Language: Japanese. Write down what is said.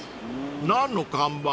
［何の看板？］